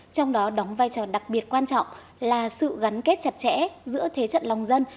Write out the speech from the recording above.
trong đó đóng vai trò đặc biệt quan trọng là sự gắn kết chặt chẽ giữa thế trận lòng dân